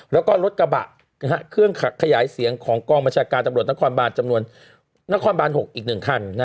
แล้วก็รถกระบะเครื่องขยายเสียงของกองประชาการตำรวจนครบาลอีก๑คัน